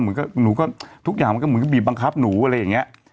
เหมือนก็หนูก็ทุกอย่างเหมือนก็บีบังคับหนูอะไรอย่างเงี้ย